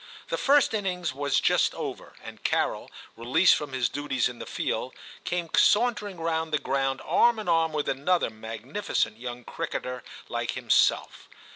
The first innings was just over, and Carol, released from his duties in the field, came sauntering round the ground arm in arm with another magnificent young cricketer like himself.